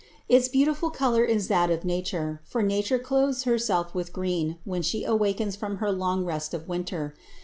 Its beautiful color is that of Nature, for Nature clothes herself with green when she awakens from her long rest of winter.